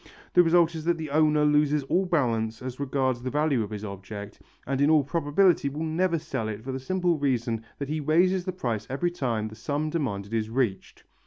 The result is that the owner loses all balance as regards the value of his object, and in all probability will never sell it for the simple reason that he raises the price every time the sum demanded is reached.